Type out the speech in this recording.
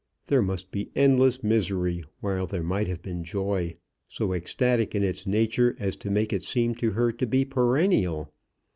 There must be endless misery, while there might have been joy, so ecstatic in its nature as to make it seem to her to be perennial.